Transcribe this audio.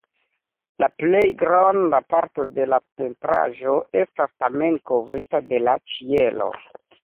La plej granda parto de la pentraĵo estas tamen kovrita de la ĉielo.